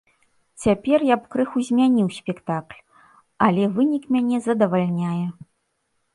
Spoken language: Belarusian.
Цяпер я б крыху змяніў спектакль, але вынік мяне задавальняе.